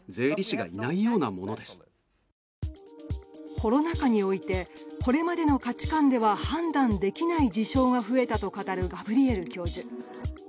コロナ禍においてこれまで価値観では判断できない事象が増えたと語るガブリエル教授。